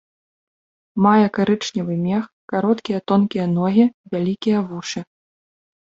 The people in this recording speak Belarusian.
Мае карычневы мех, кароткія тонкія ногі, вялікія вушы.